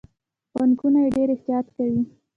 بانکونه یې ډیر احتیاط کوي.